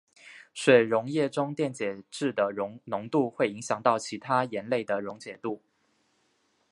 水溶液中电解质的浓度会影响到其他盐类的溶解度。